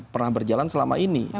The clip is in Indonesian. pernah berjalan selama ini